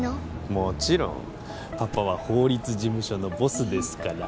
もちろんパパは法律事務所のボスですから行こうやった